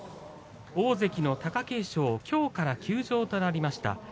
大関の貴景勝、きょうから休場となりました。